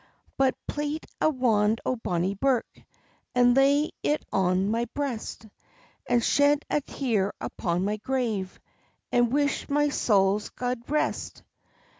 "But plait a wand o' bonnie birk, And lay it on my breast; And shed a tear upon my grave, And wish my saul gude rest.